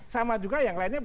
sama juga yang lainnya